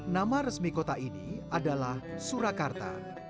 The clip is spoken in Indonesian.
nama resmi kota ini adalah surakarta